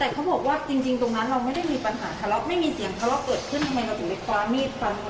แต่เขาบอกว่าจริงตรงนั้นเราไม่ได้มีปัญหาค่ะ